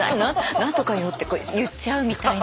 何とかよ」ってこう言っちゃうみたいな。